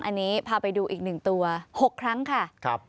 อันนี้พาไปดูอีก๑ตัว๖ครั้งค่ะ